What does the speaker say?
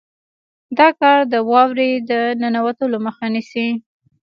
دا کار د واورې د ننوتلو مخه نیسي